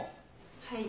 ・はい。